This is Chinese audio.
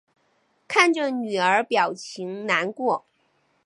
看着女儿表情难过